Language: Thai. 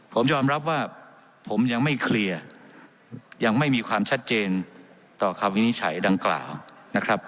ผมยอมรับว่าผมยังไม่เคลียร์ยังไม่มีความชัดเจนต่อคำวินิจฉัยดังกล่าวนะครับ